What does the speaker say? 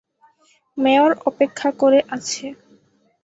Mayor অপেক্ষা করে আছে।